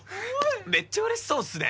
めっちゃ嬉しそうっすね